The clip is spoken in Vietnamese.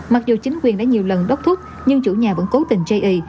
mặc dù chính quyền đã nhiều lần đốt thuốc nhưng chủ nhà vẫn cố tình chây ý